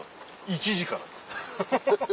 １時からです。